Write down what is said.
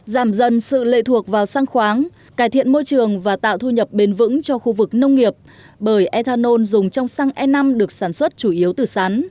giảm dần sự lệ thuộc vào xăng khoáng cải thiện môi trường và tạo thu nhập bền vững cho khu vực nông nghiệp bởi ethanol dùng trong xăng e năm được sản xuất chủ yếu từ sắn